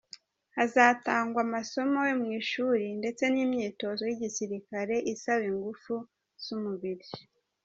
Hazatangwa amasomo yo mu ishuri ndetse n’imyitozo y’igisirikare isaba ingufu z’umubiri.